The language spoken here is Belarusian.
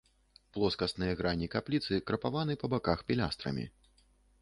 Плоскасныя грані капліцы крапаваны па баках пілястрамі.